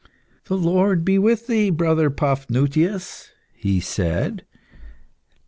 "The Lord be with thee, brother Paphnutius," he said.